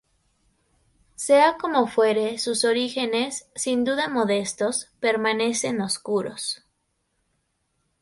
Sea como fuere, sus orígenes, sin duda modestos, permanecen oscuros.